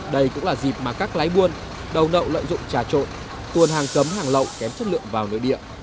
đây cũng là dịp mà các lái buôn đầu nậu lợi dụng trà trộn nguồn hàng cấm hàng lậu kém chất lượng vào nội địa